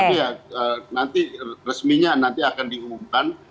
tapi ya nanti resminya nanti akan diumumkan